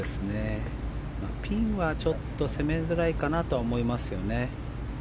ピンは攻めづらいかなと思いますよね。